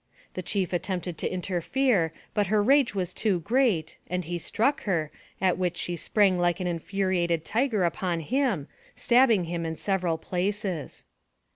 The chief attempted to interfere, but her rage was too great, and he struck her, at which she sprang like an infuriated tiger upon him, stabbing him in sev eral places.